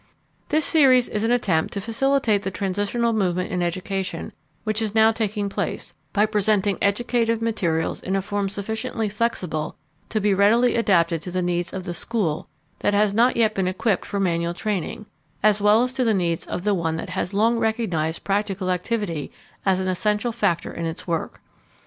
This series is an attempt to facilitate the transitional movement in education which is now taking place by presenting educative materials in a form sufficiently flexible to be readily adapted to the needs of the school that has not yet been equipped for manual training, as well as to the needs of the one that has long recognized practical activity as an essential factor in its work.